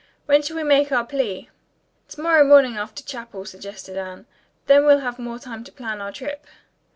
"When shall we make our plea?" "To morrow morning after chapel," suggested Anne. "Then we'll have more time to plan our trip."